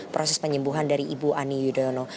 proses penyembuhan dari ibu ani yudhoyono